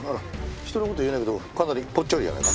人の事言えないけどかなりポッチャリじゃないか。